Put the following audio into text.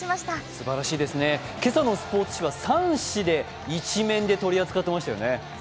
すばらしいですね、今朝のスポーツ紙は３紙で１面で取り扱っていましたよね。